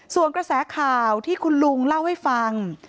ส่วนกระแสข่าวที่คุณลุงเล่าให้ฟัง